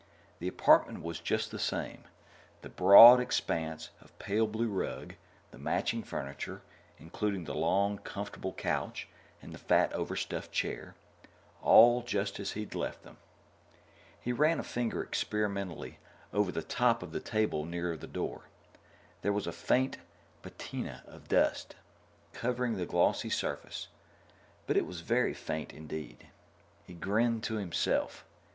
The apartment was just the same the broad expanse of pale blue rug, the matching furniture, including the long, comfortable couch and the fat overstuffed chair all just as he'd left them. He ran a finger experimentally over the top of the table near the door. There was a faint patina of dust covering the glossy surface, but it was very faint, indeed. He grinned to himself.